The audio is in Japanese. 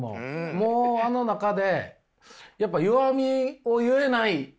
もうあの中でやっぱ弱みを言えないっていう。